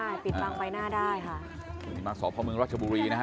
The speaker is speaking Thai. ปิดบังไฟหน้าได้ค่ะสวทธิ์ธรรมน์รัชบุรีนะครับ